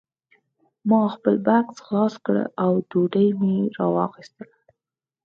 ما خپل بکس خلاص کړ او ډوډۍ مې راواخیسته